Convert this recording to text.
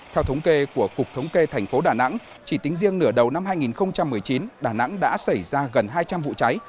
theo thống kê của cục thống kê thành phố đà nẵng chỉ tính riêng nửa đầu năm hai nghìn một mươi chín đà nẵng đã xảy ra gần hai trăm linh vụ cháy